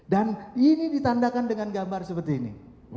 dan ini ditandakan dengan gambar seperti ini